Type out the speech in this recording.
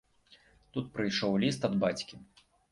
Тут прыйшоў ліст ад бацькі.